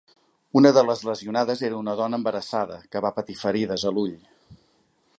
Una de les lesionades era una dona embarassada, que va patir ferides a l'ull.